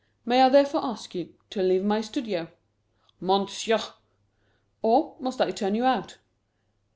May I therefore ask you to leave my studio?" "Monsieur!" "Or must I turn you out?"